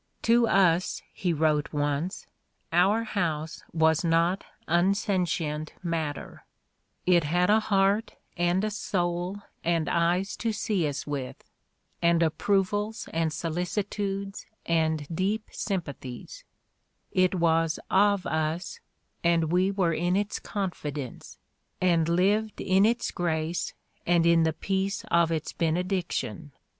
"To us," he wrote once, "our 130 The Ordeal of Mark Twain house was not unsentient matter — it had a heart and a soul and eyes to see us with, and approvals and solici tudes and deep sympathies ; it was of us, and we were in its confidence, and lived in its grace and in the peace of its benediction.